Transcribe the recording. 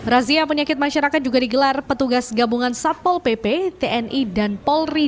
razia penyakit masyarakat juga digelar petugas gabungan satpol pp tni dan polri